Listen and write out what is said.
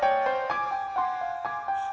umi aku mau ke rumah